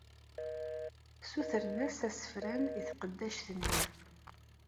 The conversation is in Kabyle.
Ssuter-as asefran i tqeddact-nni.